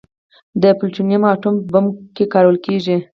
د پلوټونیم اټوم بم کې کارول کېږي.